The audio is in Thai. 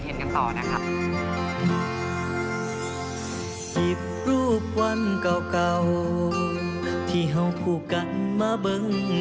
แล้ววันนี้ขอบคุณน้องต่างคุณสินมากเลยนะครับ